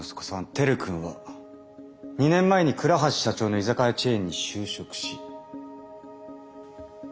輝君は２年前に倉橋社長の居酒屋チェーンに就職し。